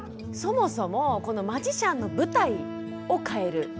そもそもこのマジシャンの舞台を変える。